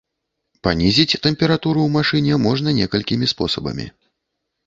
Панізіць тэмпературу ў машыне можна некалькімі спосабамі.